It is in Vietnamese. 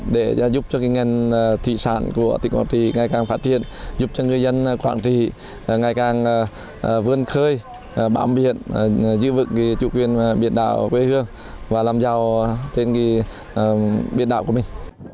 để giữ vực chủ quyền biển đảo quê hương và làm cho biển đảo của mình